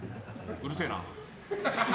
うるせえな。